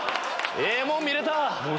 ええもん見れた！